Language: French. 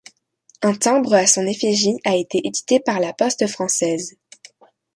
Un timbre à son effigie a été édité par la Poste française.